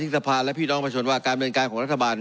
ทฤษภาและพี่น้องประชุมว่าการบนการคนรัฐบาล